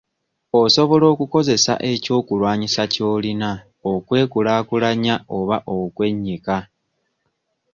Osobolo okukozesa eky'okulwanisa ky'olina okwekulaakulanya oba okwennyika.